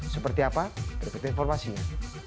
seperti apa berikut informasinya